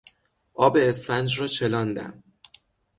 آب اسفنج را چلاندن